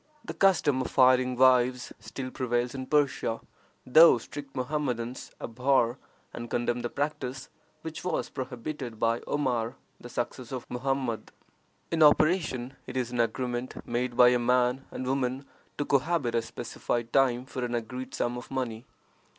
The custom of hiring wives still prevails in Persia, though strict Mohammedans abhor and condemn the practice, which was prohibited by Omar, the successor of Mohammed. In operation, it is an agreement made by a man and woman to cohabit a specified time for an agreed sum of money.